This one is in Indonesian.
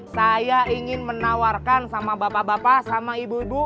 saya ingin menawarkan sama bapak bapak sama ibu ibu